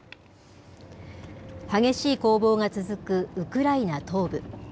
激しい攻防が続くウクライナ東部。